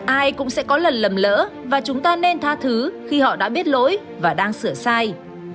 ai cũng sẽ có lần lầm lỡ và chúng ta nên tha thứ khi họ đã biết lỗi và đang sửa sai